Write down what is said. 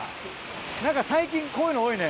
何か最近こういうの多いね。